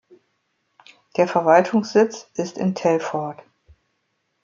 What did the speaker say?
Der Verwaltungssitz ist in Telford.